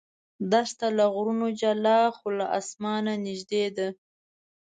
دښته له غرونو جلا خو له اسمانه نږدې ده.